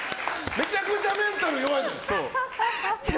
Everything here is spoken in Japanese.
めちゃくちゃメンタル弱いじゃん